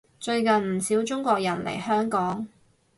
最近唔少中國人嚟香港